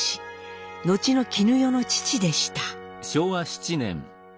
後の絹代の父でした。